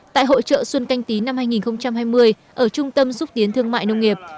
tại hội trợ xuân canh tí năm hai nghìn hai mươi ở trung tâm xúc tiến thương mại nông nghiệp